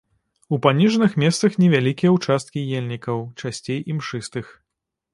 У паніжаных месцах невялікія ўчасткі ельнікаў, часцей імшыстых.